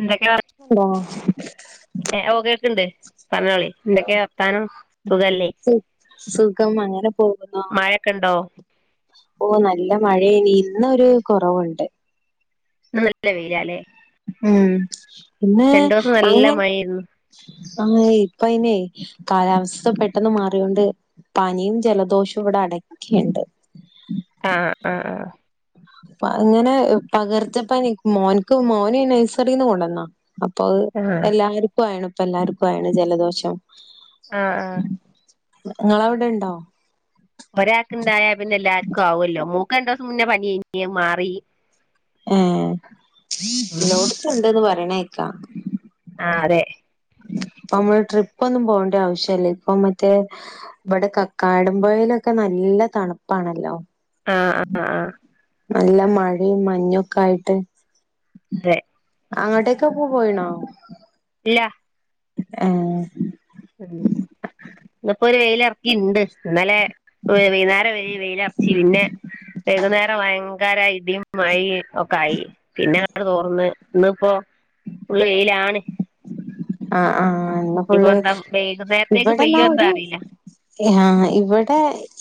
എന്തൊക്കെ വർ ഓ ഓ കേൾക്കിണ്ട് പറഞ്ഞോളി എന്തൊക്കെയ വർത്താനം സുഖല്ലേ സു സുഖം അങ്ങനെ പോകുന്നു മഴയൊക്കെ ഉണ്ടോ ഓ നല്ല മഴ ഇനി ഇന്നൊരു കുറവുണ്ട് [unintelligible] ഉം പിന്നെ രണ്ടൂസം നല്ല അങ്ങെ മഴേര്ന്നു ആഹ ഇപ്പ അയിനെ കാലാവസ്ഥ പെട്ടെന്ന് മാറൊണ്ട് പനിയും ജലദോഷവും ഇവിടെ അടക്കിണ്ട് ആഹ ആഹ് ആഹ അ ഇങ്ങനെ പകർത്തപ്പനി മോനക്ക് മോന് നഴസറിന്ന് കൊണ്ടുവന്ന അപ്പൊ ആഹ് ആഹ് എല്ലാർക്കും ആയ്ണ് ഇപ്പ എല്ലാവർക്കും ആയി ണ് ജലദോഷം ആഹ ആഹ [unintelligible] നിങ്ങളവിടെ ഇണ്ടോ ഒരാൾക്ക് ഇണ്ടായാ പിന്നെ എല്ലാർക്കും ആവുമല്ലോ മൂക്ക് രണ്ടു ദിവസം മുന്നേ പനായി നി. -... അഅ്മാറി ഏ ലോട്ത്തുണ്ടന്ന് പറയണ ത ആ അതെ തമിഴ് ട്രിപ്പ് ഇപ്പൊന്നും പോകേണ്ട ആവശ്യല്ലേ ഇപ്പൊ മറ്റേ ഇവിടെ കക്കാടപഴയിലൊക്കെ നല്ല തണുപ്പാണല്ലോ ആ ആ ആ നല്ല മഴയും മഞ്ഞൊക്കെ ആയിട്ട് തെ അങ്ങോട്ടേക്കെ പോ പോയിണോ ഇല്ല ഏ ഇന്ന് ഇപ്പോ ഒരു വെയില ഇറക്കിണ്ട് ഇന്നലെ ഒ വൈന്നേരം വരി വെയിലറച്ച് പിന്നെ വൈകുന്നേരം വയ് ന്നാരം ഇടിയും മഴ ഒക്കെ ആയി പിന്നെ അവിടെ തോർന്ന് ഇന്ന് ഇപ്പോ ഉള്ള വെയിലാണ് ആ ആ ആ ഇന്ന് ഇനിപ്പോ ഫുള്ള് എന്താ വൈകുന്നേരത്തേക്ക് ഇവിടെന്ന പെയ്യോ എന്താ ഒരു അറിയില്ല ഹാ ഇവിടെ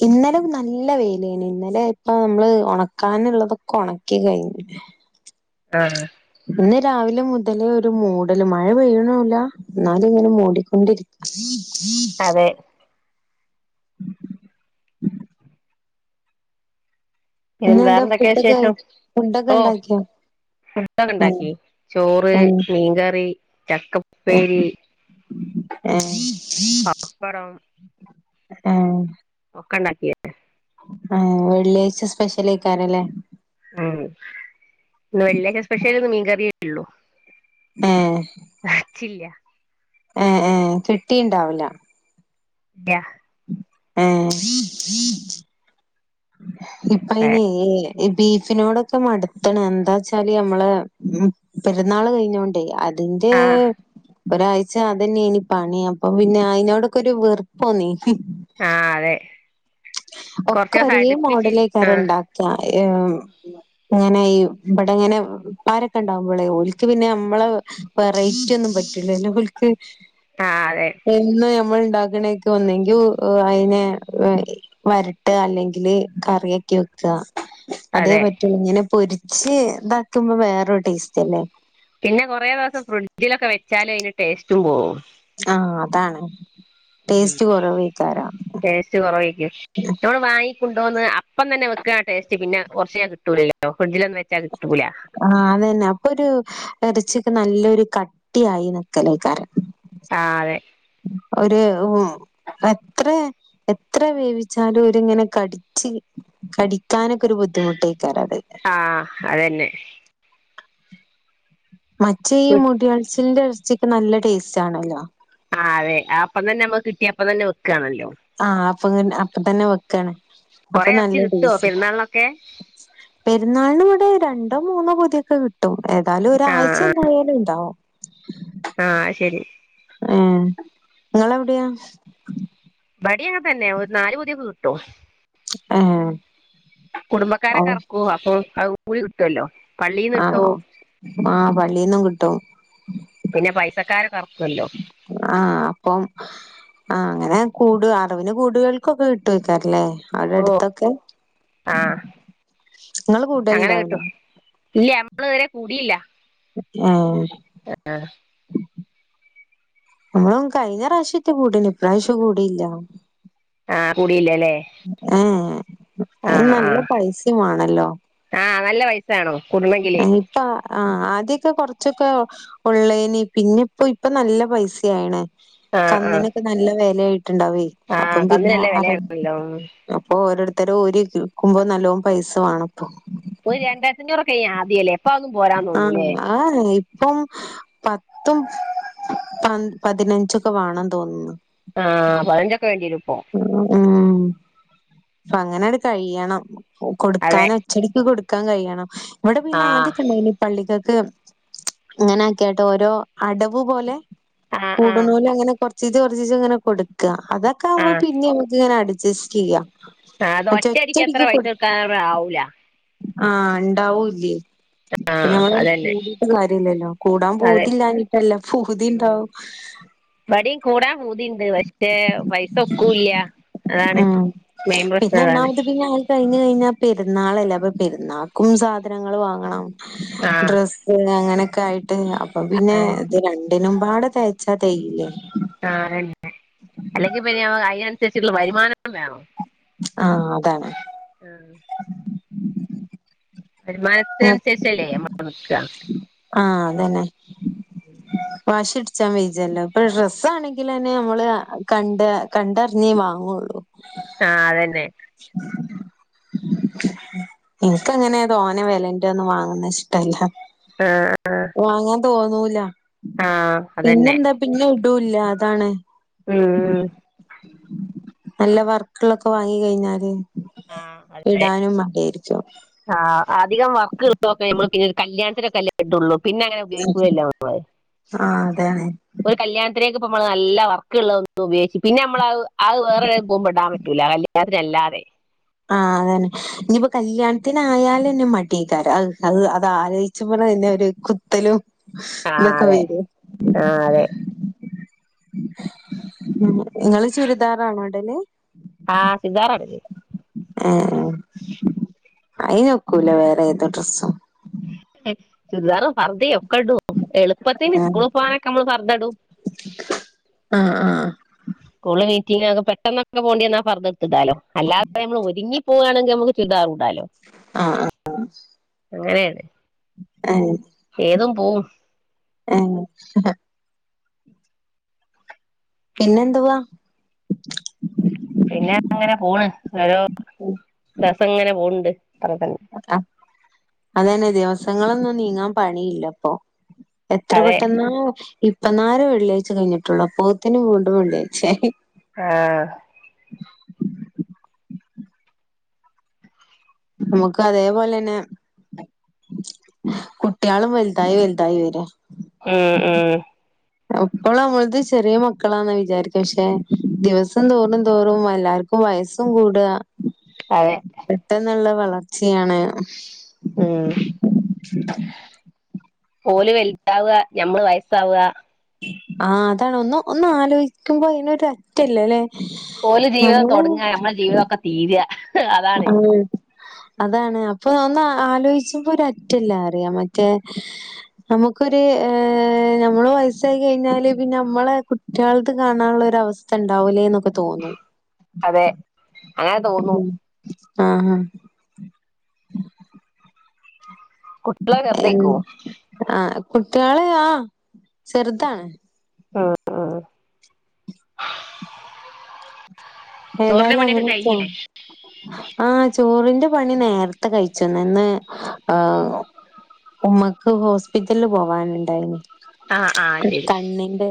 ഇന്നലെ നല്ല വേയിലായി നി ഇന്നലെ ഇപ്പൊ നമ്മള് ഉണക്കാനുള്ളതൊക്കെ ഉണക്കി കഴിഞ്ഞ് ആ ഇന്ന് രാവിലെ മുതലേ ഒരു മൂടല് മഴ പെയ്യ ണൂല്ല എന്നാല് ഇങ്ങനെ മൂടിക്കൊണ്ടിരി അതെ പിന്ന ഇന്നെന്താ വേറെന്തൊക്കെയാ ഫുഡൊക്കെ വിശേഷം ഫുഡൊക്കെ ഓ ഉണ്ടാക്കിയോ ഫുടൊക്കെ ഏഹ് ഉണ്ടാക്കി ചോറ് ഏഹ് മീൻകറി ചക്കപ്പേരി ഏ പപ്പടം ഏ പ്പണ്ടാക്കി ഏ വെള്ളിയാഴ്ച സ്പെഷ്യൽ ആയിക്കാരല്ലേ ഉം ഉള്ളു ആ ചില്ല എ ഏ കിട്ടിയിണ്ടാവില്ല ഇല്ല ആ ഇപ്പ അയിന് ഈ ബീഫിനോടൊക്കെ മടുത്തണ് എന്താ വച്ചാല് നമ്മള പെരുന്നാൾ കഴിഞ്ഞോണ്ടേ തിന്റെ ആഹ് ഒരാഴ്ച അതന്നെയ്നി പണി അപ്പൊ പിന്നെ അയിനോടൊക്കെ ഒരു വെറുപ്പോന്നി ആ അതെ കൊറച്ച് ഒക്കെ ദിവസം ഒരേ അടുപ്പിച്ച് മോഡലേക്കാര് ആഹ് ണ്ടാക്ക എ അം ങ്ങനെ ഈ ഇവടെ ഇങ്ങനെ പാരൊക്കെ ഉണ്ടാഉമ്പളേ ഒല്ക്ക് പിന്നെ നമ്മള വറയ്റ്റി ഒന്നും പറ്റൂലല്ലോ ഓൽക്ക് ആഹ് അതെ പിന്നെ നമ്മൾ താക്ണേക് ഒന്നെങ്ക്യ ഉ അയനെ വരട്ട് അല്ലെങ്കില് കറിയൊക്കെ വെക്ക അതേ അതെ പറ്റുള്ളൂ ഇങ്ങനെ പൊരി ക്ഷേ ഇതാക്കുമ്പോ വേറൊരു ടേസ്റ്റ് അല്ലേ പിന്നെ കൊറേ ദിവസം ഫ്രിഡ്ജിലൊക്കെ വെ ച്ചാല് അയിന് ടേസ്റ്റു പോവും ആ അതാണ് ഉം ടേസ്റ്റ് കുറവേക്കാരം ടേസ്റ്റ് കൊറവെയ്ക്കും മ്മള് വാങ്ങി കുണ്ടോന്ന് അപ്പം തന്നെ വെക്കാ ടേസ്റ്റ് പിന്നെ കൊർച്ചേ കിട്ടുലല്ലോ ഫ്രഡ്ജിലൊന്ന് വെച്ചാ കിട്ടൂല ആ അതന്നെ അപ്പൊരു ഇറച്ചിക്കെ നല്ലൊരു കട്ടിയായി നിക്കലയ്ക്കാര ആ അതെ ഒരുഉം എത്ര എത്ര വേവിച്ചാലും ഒരിങ്ങനെ കടിച്ച് കടിക്കാനൊക്കൊരു ബുദ്ധിമുട്ടെ ആ അത് തന്നെ മറ്റേ ഈ മുടി കൊഴിച്ചിലിൻ്റെ വച്ചേ നല്ല ടേസ്റ്റ് ആണല്ലോ ആ അതെ ആ അപ്പം തന്നെ നമ്മക്ക് കിട്ടി അപ്പം തന്നെ വെക്കുവാണല്ലോ ആ അപ്പൊത്തന്നെ ആ അപ്പത്തന്നെ വെക്കാണ് കൊറെ അപ്പം എറച്ചി നല്ല കിട്ടോ ടേസ്റ്റ് പെരുന്നാളിനൊക്കെ പെരുന്നാളിനിവിടെ ര ണ്ടോ മൂന്നോ പൊതിയൊക്കെ കിട്ടും ഏതായാലും ഒരാഴ്ച ആഹ് എന്തായാലും ഇണ്ടാവും ആഹ് ആഹ് അത് ശരി ആ നിങ്ങളവിടെയാ ഇവിടെയും അങ്ങനെ തന്നെ നാല് പൊതിയൊക്കെ കിട്ടും ഏഹ് ഓ കുടുംബക്കാരൊക്കെ അറക്കുവോ അപ്പോ [unintelligible] കിട്ടുവല്ലോ പള്ളീന്ന് ആ കിട്ടും ആ പള്ളിന്നും കിട്ടും പിന്നെ പൈസക്കാരൊക്കെ എറക്കുവല്ലോ ആ അപ്പോം ആ അങ്ങനെ കൂട് അറിവിന് കൂടുകൾക്കൊക്കെ കിട്ടും വയ്ക്കാറല്ലേ ഓഹ് അവിടെടുത്തൊക്കെ ആഹ് നിങ്ങള് കൂടുലുണ്ടാവലേ നമ്മളിവരെ കൂടിയില്ല ഏ ആ നമ്മളും കഴിഞ്ഞ പ്രാവശ്യത്തെ കൂടന് ഇപ്രാവശ്യം കൂടിയില്ല ആഹ് കൂടിയില്ലല്ലേ ആ ആഹ് ആഹ് നല്ല പൈസയുംമാണല്ലോ ആഹ് നല്ല വയസാണോ എന്താ ആ ആദ്യക്കെ കൊറച്ചൊക്കെള്ളൈന് പിന്നെ ഇപ്പൊ നല്ല പൈസയാ വീണേ ആഹ് ആഹ് കന്നിനൊക്കെ നല്ല വെലയായിട്ടുണ്ടാവേ അപ്പം ആഹ് പിന്നെ കന്നിനല്ല വിലയാണല്ലോ അപ്പൊ ഓരോടു ഇത്തര ഊരിരിക്കുമ്പോൾ നല്ലോ പൈസ വേണം പോയി രണ്ടാരതഞ്ഞൂറ് രൂപക്ക് ആഹ ആ ഇപ്പം പത്തും പ പതിനഞ്ചൊക്കെ വേണം തോന്നുന്നു ആഹ പറഞ് വേണ്ടിടുപ്പോ ഉം അങ്ങനട് കഴിയണം അതെ കൊടുക്കാൻ അച്ചടിക്ക് കൊടുക്ക പക്കാൻ കഴിയണം ഇവിടെ പിന്നെ ആദ്യ ആഹ് കണ്ട ഇ പള്ളിക്ക ഇങ്ങനെയൊക്കെട്ടോ ഓരോ അടവ് പോലെ ആഹ് ആഹ് കൂടനൂല അങ്ങനെ കൊറ സ്ഥിതി കുറച്ച് സ് ഇങ്ങനെ കൊടുക്കാ അതൊക്കെ ആകുമ്പോ പിന്നെ നമക്ക ഇങ്ങെ അടു ടെസ്റ്റ്‌ ചെയ്യാം ആ അത് മറ്റേ ഒറ്റടിക്ക് എത്ര പൈസ കക്കാ ആവൂല ആഹ ഉണ്ടാവൂ ഇല ആഹ് നമ്മള അതന്നെ കൂടീട്ട് കാര്യല്ലല്ലോ കൂടാൻ അതെ പോതില്ലിട്ടല്ല ഉം പൂതിണ്ടാവും പണ്ട് പക്ഷെ പൈസ ഒക്കൂല്ല അതാണ് ഉം മെയിൻ പ്രശ്നം അതാണ് കഴിഞ്ഞാൽ പെരുന്നാളല്ലേ അപ്പ പെരുന്നാൾക്കും സാധനങ്ങൾ വാങ്ങണം. ആഹ് ഡ്രസ്സ്‌ അങ്ങനെ [unintelligible] അപ്പ പിന്നെ അതെ ഇത് ര [unintelligible] തയ്ച്ചാൽ തെകയില്ലേ ആ അല്ലെങ്കിൽ പിന്നെ ഞങ്ങള് അതിന ഉള്ള വരുമാനം വേണം ആവേണം ആ വരുമാനത്തെ അനുസരിച്ചല്ലേ നമ്മള് നിക്ക. തന്നെ വാശിപിടി ഴിച്ചാൽ വെച്ചാല്ലോ ഡ്രസ്സ് ആണെങ്കിൽ തന്നെ നമ്മള് കണ്ട് കണ്ടറിഞ്ഞേ വാങ്ങുള്ളൂ ആ അതന്നെ ഇനക്ക് അങ്ങനെ തോ തോനെ വിലന്റെറ ഒന്നും വാങ്ങുന്ന ഇഷ്ടല്ല ആ ആ വാങ്ങാൻ തോന്നൂല പിന്നെന്താ പിന്നെ ഇടും ഇല്ല അ താണ് ഉം നല്ല വർക്കുകളൊക്കെ വാങ്ങി കഴിഞ്ഞാല് ആഹ് അതെ ഇടാനും മടിയായിരിക്കും. ആഹ് അധികം വർക്ക് ഇള്ളൊക്കെ നമ്മൾ പിന്നെ കല്യാണത്തിനക്കെല്ലേ ഇടൊള്ളു. പിന്നെ അങ്ങനെ ഉപയോഗിക്കൂലല്ലൊ മള്. ആഹ് അതെ ആണ് ഒരു കല്യാണത്തിനേക്ക് ഇപ്പമ്മള് നല്ല വർക്ക്ള്ള ഒന്നും ഉപയോഗിച്ച് പിന്നെ നമ്മള അത് വേറെടെം പോകുമ്പടാൻ പറ്റൂല്ല. കല്യാണത്തിനല്ലാതെ ആ അതന്നെ. ഇനിയിപ്പോ കല്യാണത്തിനായാലന്നെ മടിയേക്കാരത്. അഹ് അത് ആലോചിച്ചുമ്പളന്നെ ഒരു കുത്തലും ആഹ് ഇതൊക്ക അതെ വരു. ആഹ് അതെ ഇങ്ങള് ചുരിദാറാണോ ഇടല്? ആഹ് ചുരിദാറാടല്. ഏഹ്. അയിനൊക്കൂല വേറെ ഏത് ഡ്രസ്സും. ചുര്ദാറും ഫർദിയൊ ക്കെടും. എളുപ്പത്തിന് ആഹ് സ്കൂള് പോവാനൊക്കെ നമ്മള് ഫർദടും. ആഹ് സ്കൂള്ല് മീ റ്റിംഗ് നൊക്കെ പെട്ടെന്നൊക്കെ പോണ്ട്യന്നാ ഫർദടത്ത്ടാലോ അല്ലാതെ നമ്മൾ ഒരുങ്ങി പോവാണെങ്കി നമുക്ക് ചുര്ദാറൂടാലോ.. ആ ആ അങ്ങനേണ്. ഏഹ്. ഏതും പോവും. ഏഹ്. പിന്നെന്തുവാ? പിന്നെ അങ്ങനെ പോണ്. ഓരോ ദസം ഇങ്ങനെ പോവ്ണ്ട് [unintelligible] അതന്നെ ദിവസങ്ങളൊന്നും നീങ്ങാൻ പണിയില്ലപ്പൊ എത്ര അതെ പെട്ടെന്ന ഇ ഇപ്പനാലേ വെള്ളിയാഴ്ച കഴിഞ്ഞിട്ടുള്ളൂ അപ്പോത്തിനും വീണ്ടും വെള്ളിയാഴ്ച ആയി ആ നമുക്ക് അതേപോലെ തന്നെ കുട്ടികളും വലുതായി വലുതായി വരാ ഉം ഉം എപ്പോളും നമ്മളത് ചെറിയ മക്കളാന്ന വിചാരിക്ക പക്ഷെ ദിവസം തോറും തോറും എല്ലാർക്കും വയസ്സും കൂട അതെ പെട്ടെന്നുള്ള വള വളർച്ചയാണ് ഉം ഓലും വലുതാവ ഞമ്മള് വയസ്സാവ ആ അതാണ് ഒന്ന് ഒന്ന് ആലോചിക്കുമ്പോ അതിനൊരു അറ്റല്ലാല്ലെ ഓല ജീവിതം തുടങ്ങ നമ്മളെ ജീവിതം ഒക്കെ തീരാ ഉം അതാണ് ഇപ്പൊ ഇതൊന്ന് ആലോചിച്ചപ്പോ ഒരു അറ്റല്ല അറിയാം മറ്റേ നമുക്കൊരു ഹ നമ്മള് വയസായി കഴിഞ്ഞാല് പിന്നെ നമ്മള കുട്ടികള്ക്ക് കാണാനുള്ളൊരു അവസ്ഥ ഉണ്ടാവൂലേ എന്നൊക്കെ തോന്നും അതെ അങ്ങനെ തോന്നും ആ ഹാ കുട്ടികളെ എൻ ചെറുതേക്കോ ആ കുട്ട്യള് ആ ചെർതാണ് അ ആ ആ ഏതായാലും പണിയൊക്കെ അങ്ങനെയൊക്കെയാണ് കഴിഞ്ഞില്ലേ ആഹ് ചോറിന്റെ പണി നേര്ത്തെ കഴിച്ച്ണ് ഇന്ന് ആ ഉമ്മക്ക് ഹോസ്പിറ്റലിൽ പോവാനുണ്ടായിനി ആ ആ ശരി കണ്ണിന്റെ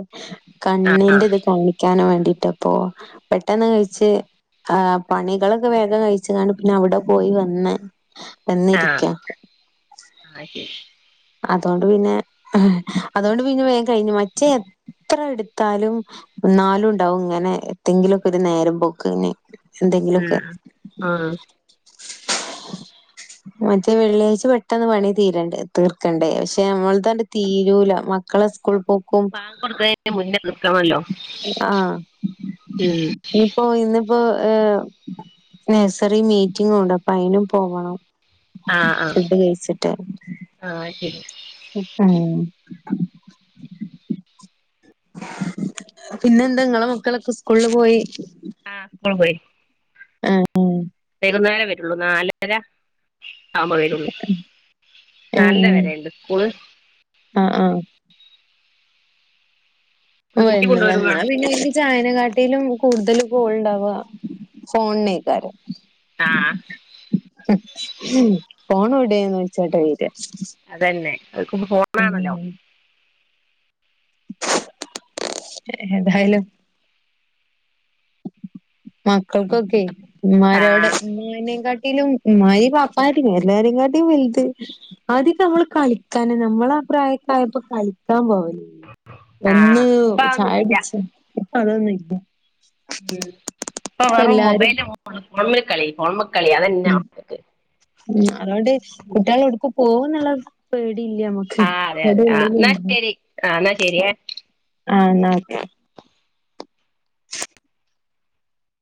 ആ കണ്ണിന്റെ ഇത് കാണിക്കാനും വേണ്ടി റ്റപ്പോ പെട്ടെന്ന് കഴി ച്ച് ആ പണികളൊക്കെ വേഗം കഴിച്ച്കാണ്ട് പിന്നെ അവിടെ പോയി വന്ന് ആ വന്നിരിക്ക ആ അയ്ശരി അതോണ്ട് പിന്നെ അതൊണ്ട് പിന്നെ വേം കഴിഞ്ഞു മറ്റേ എത്ര എട്ത്താലും എന്നാലും ഇണ്ടാവും ഇങ്ങനെ എന്തെങ്കിലൊക്കെ ഒര് നേരം പോക്ക്ന് ഉം ആ മറ്റേ വെള്ളിയാഴ്ച പെട്ടെന്ന് പണി തീരണ്ടേ തീർക്കണ്ടേ പക്ഷെ നമ്മൾ തണ്ട് തീരൂല മക്കളെ സ്കൂൾ പോക്കും ബാങ്ക് കൊട്ക്ക്ണേന്റെ മുന്ന് തീർക്കണല്ലോ ആ ഉം ഏ നഴ്സറി മീറ്റിംഗുണ്ട് അപ്പൊ അയിനും പോകണം ആ ആ ഫുഡ് കഴിച്ചിട്ട് ആ ശരി പിന്നെന്തങ്ങളെ മക്കളൊക്കെ സ്കൂളിൽ പോയി ആഹ് സ്കൂൾ പോയി ഉം വൈന്നേരെ വരുള്ളൂ നാലര ആവുപോലെരോള്ളു നാലര വരെണ്ട് സ്കൂള് ആ ആ ഓ കുട്ടി കൊണ്ടുവരുമ്പോ എന്നാ പിന്നെ ചായ ന്നെ കാട്ടിലും കൂടുതൽ കോൾ ണ്ടാവാ ഫോണിനക്കാരം ആ പോണെവിടെന്ന് ചോച്ചാട്ട വേര്യാ അതന്നെ [unintelligible] ഫോണാണല്ലോ എതായലും മക്കൾക്കൊക്കെ ആ ഉ്മാരോടെ ഉമെനേം കാട്ടിലും ഉ്മ്മായി പാപ്പായി എല്ലാരെകാട്ടി വല്ത് ആദ്യക്കെ നമ്മള് കളിക്കാന നമ്മളാ പ്രായക്കെ ആയപ്പോ കളിക്കാൻ പോവെ ആ വന്ന് ഇപ്പൊ ചായ [unintelligible] ച്ച ഇപ്പ അതൊന്ന ഉം ബ് ഇപ്പൊ വറും എല്ലാരും മൊബൈല് [unintelligible] [unintelligible] ഉം മക്കൾക്ക് ഉം അതുകൊണ്ട് കുട്ടികളെവിടേക്കും പോകൂന്നുള്ള പേടിയില്ല നമ്മക്ക് ആ അതെ അതെ ആ എവിടെള്ളെ എന്നാ [unintelligible] ശരി ആ എന്നാ ശരിയേ ആ എന്ന ഓക്കെ